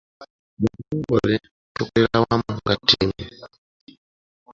Mu kitongole tukolera wamu nga ttiimu.